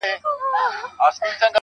او ته خبر د کوم غریب د کور له حاله یې.